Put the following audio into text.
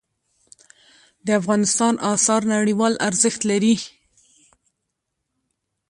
د افغانستان آثار نړیوال ارزښت لري.